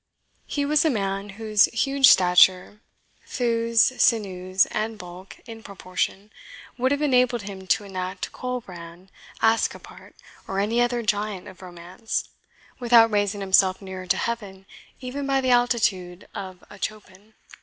He was a man whose huge stature, thews, sinews, and bulk in proportion, would have enabled him to enact Colbrand, Ascapart, or any other giant of romance, without raising himself nearer to heaven even by the altitude of a chopin.